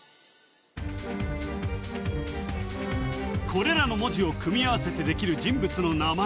これらの文字を組み合わせてできる人物の名前